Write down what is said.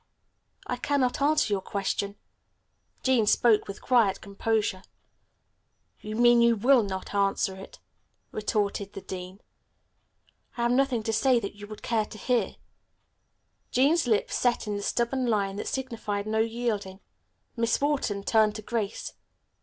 "I cannot answer your question," Jean spoke with quiet composure. "You mean you will not answer it," retorted the dean. "I have nothing to say that you would care to hear." Jean's lips set in the stubborn line that signified no yielding. Miss Wharton turned to Grace.